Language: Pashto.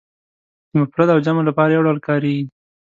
د مفرد او جمع لپاره یو ډول کاریږي.